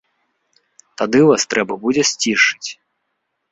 Тады вас трэба будзе сцішыць.